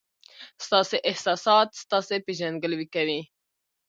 ستاسي احساسات ستاسي پېژندګلوي کوي.